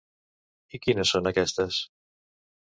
I quines són aquestes?